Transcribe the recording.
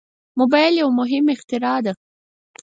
موبایل یو مهم اختراع ده.